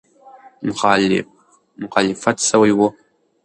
مخالفت سوی وو.